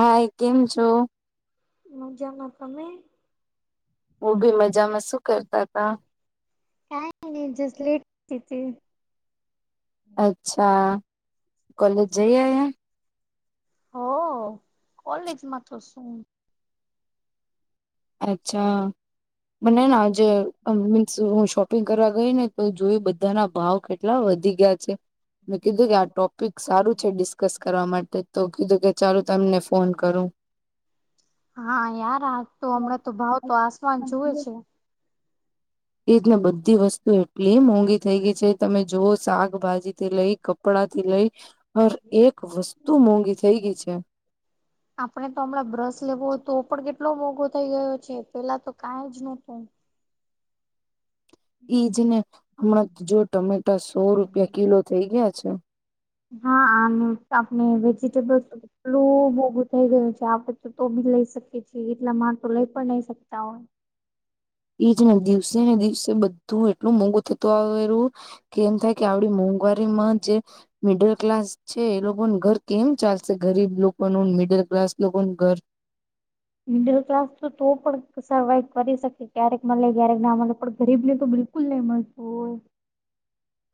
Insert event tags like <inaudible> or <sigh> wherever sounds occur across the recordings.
High કેમ છો? મજામાં તમે? બઉ ભી મજા માં શું કરતા હતા મુ જસ લેટ થઈ તી અચ્છા કોલેજ જઈ આયા હઓ કોલેજમાં તો શું અચ્છા મને ના આજ મીન્સ હું શોપિંગ કરવા ગઈ ને તો જોયું બધાના ભાવ કેટલા વધી ગયા છે. મેં કીધું કે આ ટોપિક સારું છે ડિસ્કસ કરવા માટે તો કીધું કે ચાલું તમને ફોન કરું હા યાર આજ તો હમણાં તો ભાવ તો આસમાન છુંવે છે એ રીતને બધી વસ્તુ એટલી મોંઘી થઈ ગઈ છે. તમે જોઓ શાકભાજી થી લઈ કપડા થી લઈ હર એક વસ્તુ મોંઘી થઈ ગઈ છે આપણે તો હમણાં બ્રશ લેવો હોય તો પણ કેટલો મોઘો થઈ ગયો છે પેલા તો કાંઈ જ નહોતું ઈજ ને હમણાં જો ટમેટા સો રૂપિયા કિલો થઈ ગયા છે. હા અને આપણે વેજિટેબલ એટલું મોંઘુ થઈ ગયું છે આપડે તો તો બી લઈ શકીએ છીએ એટલા મા તો લઈ પણ નઈ શકતા હોય. ઈજ ને દિવસે ને દિવસે બધું એટલું મોંઘું થતું આવેરુ. કે એમ થાય કે આવડી મોંઘવારીમાં જે મિડલ ક્લાસ છે એ લોકોનું ઘર કેમ ચાલશે? ગરીબ લોકોનું ને મિડલ ક્લાસ લોકોનું ઘર. મિડલ ક્લાસ તો તો પણ સર્વાઈ કરી શકે. ક્યારેક મલે, ક્યારેક ના મલે પણ ગરીબ ને તો બિલ બિલકુલ નહીં મળતું હોય.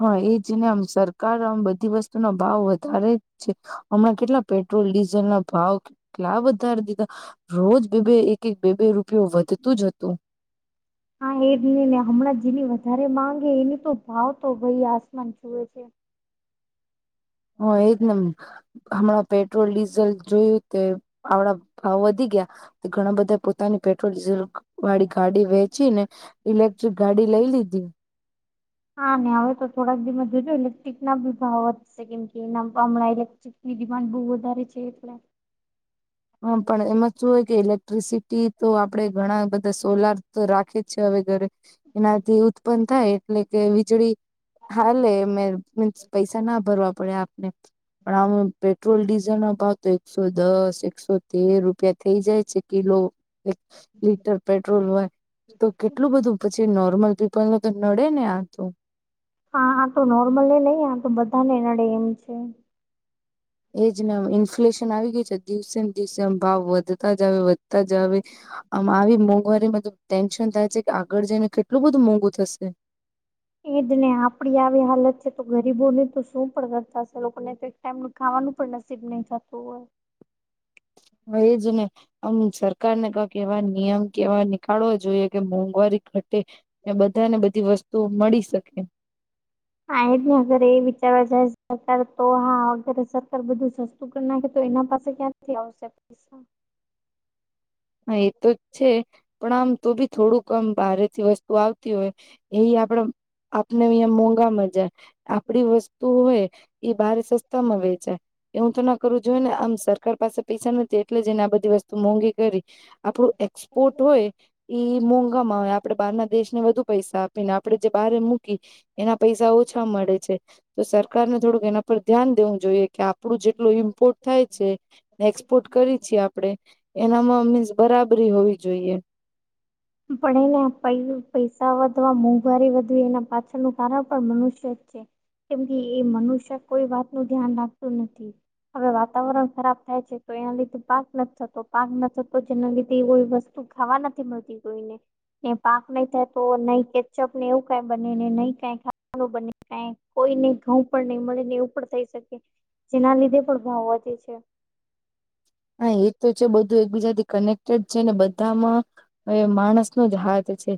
હા એજ ને આમ સરકાર આમ બધી વસ્તુના ભાવ વધારે છે. હમણાં કેટલા પેટ્રોલ ડીઝલના ભાવ કેટલા વધાર દીધા. રોજ બે બે એક એક બે બે રૂપિયો વધતું જ હતું. હા એજ નહીં ને હમણાં જેની વધારે માંગ હે એની તો ભાવ તો ભઈ આસમાન છુવે છે. હહ એજ ને એમ હમણાં પેટ્રોલ ડીઝલ જોયું તે આવડા ભાવ વધી ગયા. તે ઘણા બધા પોતાની પેટ્રોલ ડીઝલ વાળી ગાડી વેચી ને ઇલેક્ટ્રિક ગાડી લઈ લીધી. હા ને હવે તો થોડાક દીમાં જોજો ઇલેક્ટ્રિકના બી ભાવ વધશે. કેમ કે એના હમણાં ઇલેક્ટ ટ્રિકની ડિમાન્ડ બહુ વધારે છે એટલે. હા પણ એમાં શું હોય કે ઇલેક્ટ્રિસિટી તો આપડે ઘણા બધા સોલાર તો રાખે જ છે હવે ઘરે. એનાથી ઉત્પન્ન થાય એટલે કે વીજળી હાલેે એમે મીન્સ પૈસા ના ભરવા પડે આપને. પણ આ પેટ્રોલ ડીઝલના ભાવ તો એકસો દસ, એકસો તેર રૂપિયા થઈ જાય છે કિલો. એક લીટર પેટ્રોલ હોય તો કેટલું બધું પછી નોર્મલ તેમને તો નડે ને આતો. હા આ તો નોર્મલી નહીં. આ તો બધા ને નડે એમ છે. એજ ને આમ ઇન્ફ્લુએશન આવી ગયું છે. દિવસેને દિવસે આમ ભાવ વધતા જ આવે, વધતા જ આવે. આમ આવી મોંઘવારીમાં તો ટેન્શન થાય છે કે આગળ જઈને કેટલું બધું મોંઘું થશે. ઈજ ને આપડી આવી હાલત છે તો ગરીબોની તો શું પણ કરતા હશે. લોકોને તો એક ટાઈમનું ખાવાનું પણ નસીબ નહીં થતું હોય. હહ એજ ને. આમ સરકારને કાક એવા નિયમ કે એવા નીકાળવા જોઈએ કે મોંઘવારી ઘટ ટે ને બધાને બધી વસ્તુઓ મળી શકે. હા એજ ને અગર એ વિચારવા જાય સરકાર તો હા વગરે સરકાર બધું સસ સસ્તું કર નાખે તો એના પાસે ક્યાંથી આવશે પૈસા. હા એતો છે પણ આમ તો ભી થોડુંક અમ બારેથી વસ્તુ આવતી હોય. એટલે ઈ આપણ આપને અહીંયા મોંઘામાં જાય. આપડી વસ્તુ હોય ઈ બાર સસ્તામાં વેચાય. એવું તો ન કરવું જોઈએ ને. આમ સરકાર પાસે પૈસા નથી એટલે જ એને આ બધી વસ્તુ મોંઘી કરી. આપણું એક્સપોર્ટ હોય ઈ મોંઘામાં હોય આપડે બારના દેશને વધુ પૈસા આપીને આપ આપડે જે બારે મૂકી. એના પૈસા ઓછા મળે છે. તો સરકારને થોડુંક એના પર ધ્યાન દેવું જોઈએ. કે આપણું જેટલું ઈમ્પોર્ટ થાય છે ને એક્સપોર્ટ કરી છીએ આપણે એનામાં અમે બરાબરી હોવી જોઈએ. પણ એના પઈ પૈસા વધવા, મોંઘવારી વધવી એના પાછળનું કારણ પણ મનુષ્ય જ છે. કેમ કે એ મનુષ્ય કોઈ વાતનું ધ્યાન રાખતો નથી. હવે વાતાવરણ ખરાબ થાય છે તો એના લીધે પાક નથી થતો. પાક ન થતો જેના લીધે એ વ વસ્તુ ખાવા નથી મળતી કોઈને. ને પાક નહી થાય તો નહી કેચપને એવું કઈ બને ને, નહી કાઈ ખાવાનું બને. કાઈ કોઈને ઘઉં પણ નહી મલે ને, એવું પણ થઈ શકે. જેના લીધે પણ ભાવ વધે છે. હા એતો છે બધું એકબીજાથી કનેક્ટેડ છે ને બધામાં હવે માણસનો જ હાથ છે.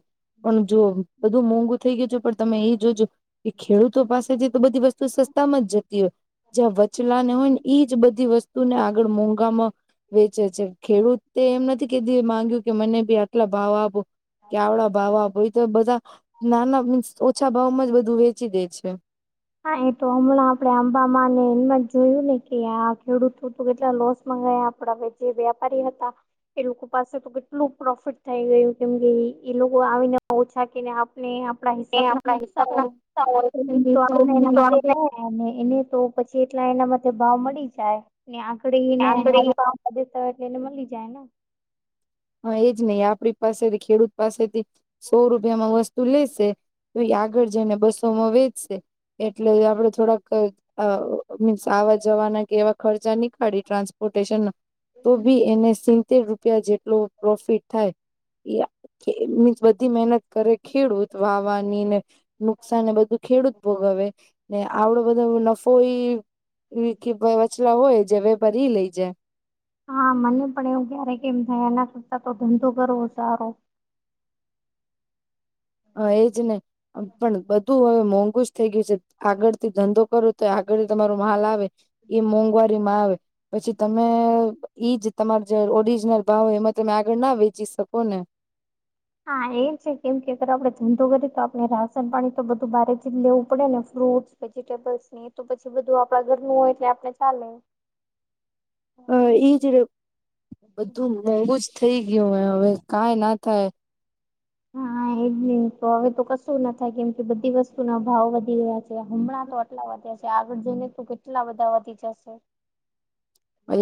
પણ જો બધું મોંઘુ થઈ ગયું છે પણ તમે એ જોજો કે ખેડૂતો પાસે જઈ તો બધી વસ્ તું સસ્તામાં જ જતી હોય. જ્યાં વચલાને હોય ને ઈજ બધી વસ્તુને આગળ મોંઘામાં વેચે છે. ખેડૂતે એમ નથી કેદીએ માંગ્યું કે મને બી આટલા ભાવ આપો. કે આવડા ભાવ આપ હોય તો બધા નાના મીન્સ ઓછા ભાવમાં જ બધું વેચી દે છે. હા એ તો હમણાં આપડે આંબામાં ને એમમાં જ જોયું ને કે આ ખેડૂતો તો કેટલા લોસ માં ગયા. થોડા જે વ્યાપારી હતા. એ લોકો પાસે તો કેટલું પ્રોફિટ થઈ ગયું કેમ કે એ લોકો આવીને ઓછા કેને એ આપણા હિસાબે તો આપણે ના હો દેવાય એને તો પછી એટલા એના માટે ભાવ મળી જાય ને આકળીને હ એટલે એને મળી જાય ને હા એજ નહી આપણી પાસેથી ખેડૂત પાસેથી સો રૂપિયામાં વસ્તુ લેશે. તોઈ આગળ જઈને બસોમાં વેચશે એટલે આપડે થોડાક અ મીન્સ આવા જવાના કે એવા ખર્ચા નહી કાઢી ટ્રાન્સપોર્ટેશન તો ભી એને સીતેેર રૂપિયા જેટલો પ્રોફિટ થાય. બધી મહેનત કરે ખેડૂત વાવાની ને નુકસાન એ બધું ખેડૂત ભોગવે ને આવડો બધો નફો એ એ કે વચલા હોય જે વેપાર એ લઈ જાય હા મને પણ એવું ક્યારે કેમ થાય એના કરતા તો ધંધો કરવો સારો હ એજ નને પણ બધું હવે મોંઘુ જ થઈ ગયું છે, આગળ થી ધંધો કરો તો આગળ તમારો માલ આવે એ મોંઘવારી માં આવે. પછી તમે ઈજ તમાર જે ઓરિજનલ ભાવ હોય એમાં તમે આગળ ના વેચી શકો ને હા એ જ છે, કેમ કે અગર આપડણે ધંધો કરીએ તો આપડણે રાસન પાણી તો બધું બારેથી જ લેવું પડે ને ફ્રૂટ વેજીિટેબલ્સ ની એ તો પછી બધું આપણા ઘરનું હોય એટલે આપણે ચાલે. હ ઈ જ ર બધું મોંઘું જ થઈ ગયું હ હવે કાઈ ના થાય હા હ હવે તો કશું નાાય કેમ કે બધી વસ્તુ ના ભાવ વધી ગયા છે, હમણાં તો કેટલા વધ્યાશે આગળ જઈને તો કેટલા બધા વધી જશે.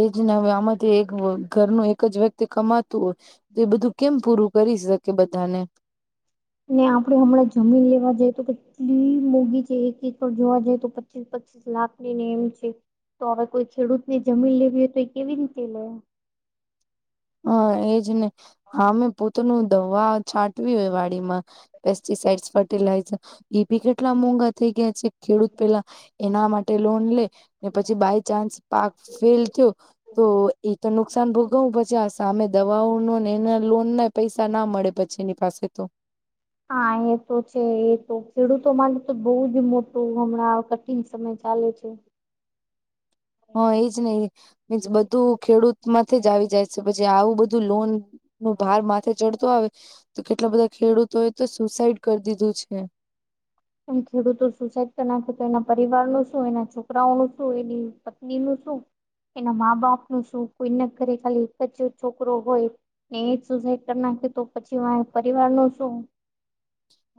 એ જ ને હ આમાંથી એક ઘરનું એક જ વ્યક્તિ કમાતું હોય તો એ બધું કેમ પૂરું કરી શકે બધાને ને આપડે હમણાં જમીન લેવા જઈ તો કેટલી મોગી છે, એક એકર જોવા જાય તો પચીસ પીસ લાભ ની ને એમ છે, તો હવે કોઈ ખેડૂત ની જમીન લેવી હોય તો એ કેવી રીતે લેવા હા એજ ને હા મેં પોતાનું દવા છાંટવી હોય વાડીમાં હા પેસ્ટિસાઈડ ફર્ટિલાઈઝર એ ભી કેટલા મોંઘા થઈ ગયા છે. ખેડૂત પેલા એના માટે લોન લે ને પછી બાય ચાન્સ પાક ફેલ થયો તો એ તો નુકસાન ભોગું પચાસ સામે દવાઓ ન ને એના લોન ના પૈસા ના મળે પછી એની પાસે તો. હા એ તો છે, એ તો ખેડૂતો માટે તો બહુ જ મોટું હમણાં ટીન સમય ચાલલે છે. હા એજ નહીસ બધું ખેડૂત માંથી જ આવી જાય છે, પછી આવું બધું લોન નું ભાર માથે ચડતો આવે તો કેટલા બધા ખેડૂતો એ તો સુસાઈડ કરી દીધું છે. એ ખેડૂતો સુસાઈડ તો નાખે તો એના પરિવાર નું? શું? એના છોકરાઓનું શું એની પત્ની નું શું? એના મા બાપ નું શું કોઈ ના ઘરે ખાલી એક જ છોકરો હોય એ એ જ સુસાઈડ કરી નાખી તો પછી મા પરિવાર નો શું?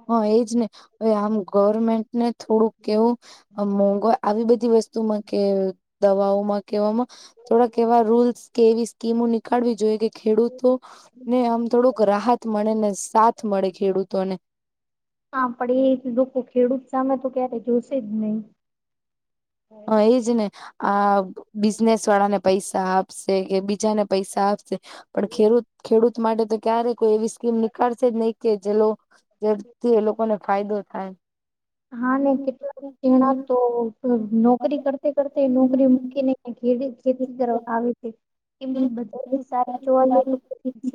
હા એજ ને હવે આમ ગવર્મેન્ટને થોડુંક કેવું મોંઘ આવી બધી વસ્તુમાં કે દવાઓમાં કેવામાં થોડાક એવા રૂલ્સ કેવી કે હું નીકળવી જોઈએ કે ખેડૂતો ને આમ થોડુંક રાહત મળે ને સાથ મળે ખેડૂતોને હા પણ એ લોકો ખેડૂત સામે તો ક્યારે જોશે જ નહી હ એજને આ બિઝનેસ વાળાને પૈસા આપશે કે બીજાને પૈસા આપશે પણ ખેડૂત ખેડૂત માટે તો ક્યારેય કોઈ એવી સ્કીમ નીકાળશે જ નહીિ કે જે લોકો જેથી એ લોકોને ફાયદો થાય. હા ને કેટલાક જણા તો નોકરી કરતે કરતે નોકરી મૂકીને ઘેરે ખેતી કરવા આવે છે. કેમ કે બધાથી સારી જોવા જઈ તો,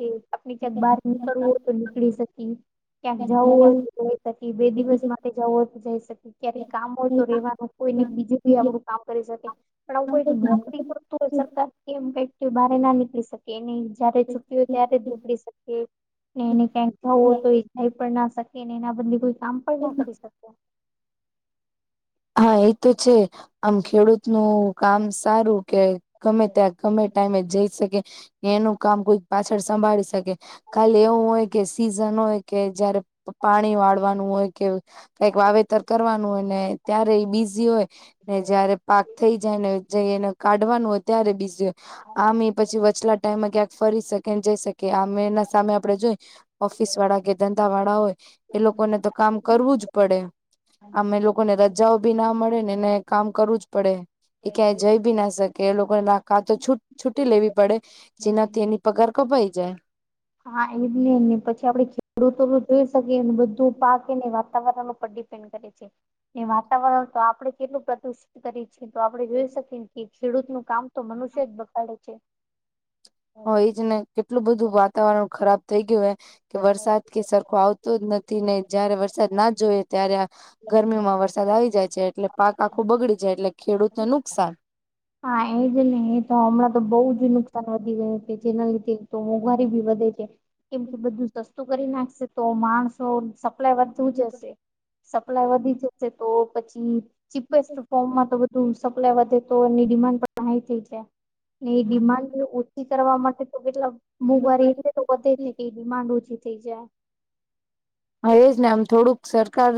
જે આપણે ત્યાંક બહાર નીકળવું હો તો નીકળી શકીએ. ક્યાંક જવું હોયતું જઈ સકી બે દિવસ માટે જવું હોતું જઈ શકી ક્યારેક કામ હો તો રેવાનું કોઈને બીજું કો આપડું કામ કરી શકે. પણ આવું કોઈ નોકરી કરતું હોય સરકાર એમ કઇ તે બારે ના નીકળી શકે. એની જયારે છુટ્ટી હોય ત્યારે જ નીકળી શકે એને ક્યાંક થવો તોય અઈ પણ ના શકે ને એના બદલે કોઈ કામ પણ ના કરી શકે. હા એ તો છે આમ ખેડૂત નું કામ સારું કે ગમે ત્યાં ગમે ટાઈમે જઈ શકે એનું કામ કોઈક પાછળ સંભાળી શકે. ખાલી એવું હોય કે સિઝન હોય કે જયારે પાણી વાળવાનું હોય કે કઈક વાવેતર કરવાનું હોય ને ત્યારે એ બીઝી હોય, ને જયારે પાક થઈ જાય ને જઈ એને કાઢવાનું હોય ત્યારે બીજી હોય. આમએ પછી વચલા ટાઈમેમાં ક્યાંક ફરી શકે ને જઈ શકે. કે આમે એના સામે આપડે જોઈ ઓફિસ વાળા કે ધંધા વાળા હોય, એ લોકોને તો કામ કરવું જ પડે આમ એ લોકોને રજ રાજાઓ બી ના મળે ને ને કામ કરવું જ પડે એ ક્યાંય જઈ બી ના શકે. કે એ લોકોને ના કા તો છૂ છુટ્ટી લેવી પડે જેનાથી એની પગાર કપાઈ જાય. હા એ નને પછી આપડે ખેડૂતો જોઈ શકીએ બધું પાકેને વાતાવરણ ઉપર ડીપેન્ડ કરે છે ને વાતાવરણ તો આપડણે કેટલું પ્રદુષિત કરી છે. તો આપડણે જોઈ શકીએ કે ખેડૂતનું કામ તો મનુષ્ય જ બગાડે છે. હ એ જ ને કેટલું બધું વાતાવરણ ખરાબ થઈ ગયું હૈ. કે વરસાદ કે સરખો આવતો જ નથી ને જયારે વરસાદ ના જોઈએ ત્યારે આ ગરમીમાં વરસાદ આવી જાય છે એટલે પાક આખો બગડી જાય એટલે ખેડૂતને નુકસાન. હા એજ ને એ તો હમણાં તો બહુ જ નુકસાન વેચાણ વધી ગયો છે જેના લીધે તો મોંઘવારી બી વધે છે કેમ કે બધું સસ્તું કરી નાખશે તો તો માણસો સપ્લાય વધુ જશે સપ્લાય વધી જશે તો પછી ચીપેસ્ટ ફોર્મમાં તો બધું સપ્લાય વધે તો એની ડિમાન્ડ પણ હાઈ થઈ જાય. ને એ ડિમાન્ડ ઓછી કરવા માટે તો કેટલા મોંઘવારી એટલે તો બધે કે તે ડિમાન્ડ ઓછી થઈ જાય. હ એજ ને આમ થોડુંક સરકાર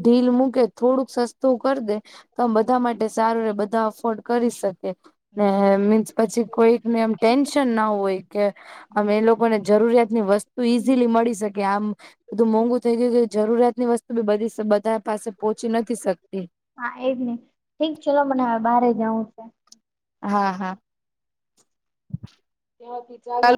ઢીલ મૂકે થોડુંક સસ્તું કરી દે, તો આમ બધા માટે સારું રેય બધા અફોર્ડ કરી શકે. ને મીન્સ પછી કોઈકને એમ ટેન્શન ના હોય કે હવે એ લોકોને જરૂરિયાત ની વસ્તુ ઈઝીલી મળી શકે આમ બધું મોંઘુ થઈ ગયું કે જરૂરિયાત ની વસ્તુ બી બધી બધા પાસે પહોંચી નથી શકતી. હા એજ નહી ઠીક ચલો મને હવે બહાર જાઉં, હા હા. <inaudible> ત્યાંથી ચાલુ કર.